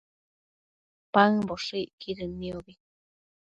paëmboshëcquidën niobi